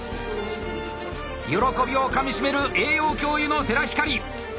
喜びをかみしめる栄養教諭の世良光。